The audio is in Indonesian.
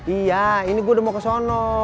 iya ini gue udah mau kesana